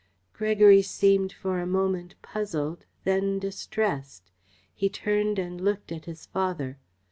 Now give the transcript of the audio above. Gregory seemed for a moment puzzled, then distressed. He turned and looked at his father.